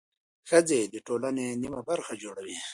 ښځې د ټولنې نیمه برخه جوړوي.